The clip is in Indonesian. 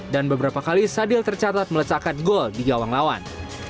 dan beberapa kali sadil tercatat melecahkan gol di gawang lawan